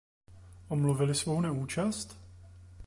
Omluvili svou neúčast?